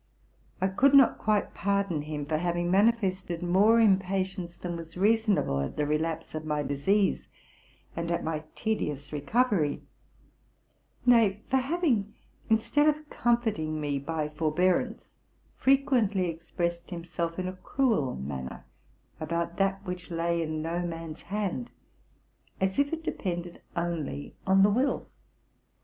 I could not quite pardon him for having manifested more impatience than was reasonable at the relapse of my disease, and at my RELATING TO MY LIFE. 295 tedious recovery ; nay, for having, instead of comforting me by forbearance, frequently expresse d himself in a cruel man ner, about that which lay in no man's hand, asif it depended only on the will.